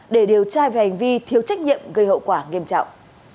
để điều tra về hành vi thiếu trách nhiệm gây hậu quả nghiêm trọng